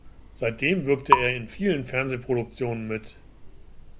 Seitdem wirkte er in vielen Fernsehproduktionen mit.